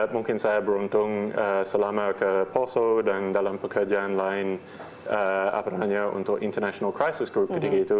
mungkin saya beruntung selama ke poso dan dalam pekerjaan lain apa namanya untuk international crisis group ketiga itu